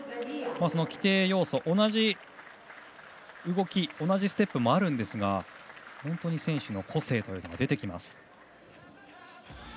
規定要素、同じ動き同じステップもあるんですが本当に選手の個性が出てきます。